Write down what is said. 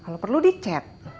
kalau perlu dicat